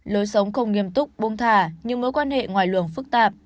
lối sống không nghiêm túc bông thả nhưng mối quan hệ ngoài luồng phức tạp